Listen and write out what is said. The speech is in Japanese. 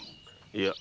いや。